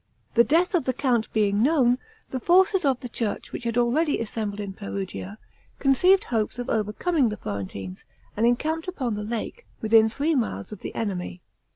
The death of the count being known, the forces of the church, which had already assembled in Perugia, conceived hopes of overcoming the Florentines, and encamped upon the lake, within three miles of the enemy.